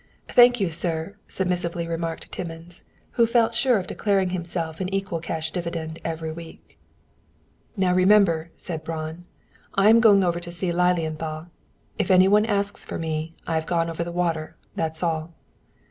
"Thank you, sir," submissively remarked Timmins, who felt sure of declaring himself an equal cash dividend every week. "Now remember," said Braun, "I am going over to see Lilienthal. If any one asks for me, I have gone over the water, that's all.